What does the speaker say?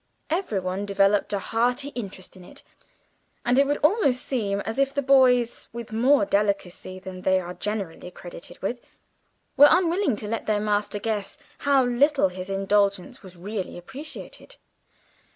Everyone developed a hearty interest in it, and it would almost seem as if the boys, with more delicacy than they are generally credited with, were unwilling to let their master guess how little his indulgence was really appreciated.